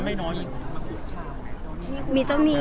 แต่ส่วนตัวหนูก็ไม่น้องอีก